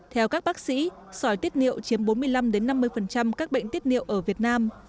theo các bác sĩ sỏi tiết niệu chiếm bốn mươi năm năm mươi các bệnh tiết niệu ở việt nam